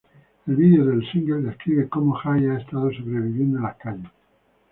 El vídeo del single describe como Jay ha estado sobreviviendo en las calles.